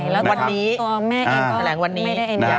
แล้วตัวแม่เองก็ไม่ได้เอ็นยัง